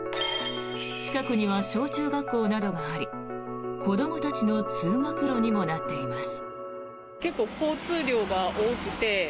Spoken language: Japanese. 近くには小中学校などがあり子どもたちの通学路にもなっています。